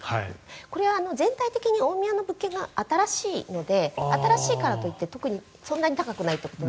これは全体的に大宮の物件が新しいので新しいからといって特にそんなに高くないと。